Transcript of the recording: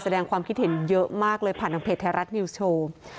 แสดงความคิดเห็นเยอะมากเลยผ่านทางเพจไทยรัฐนิวส์โชว์